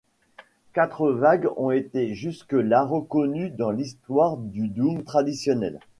Quatre vagues ont été jusque-là reconnues dans l'histoire du doom traditionnel.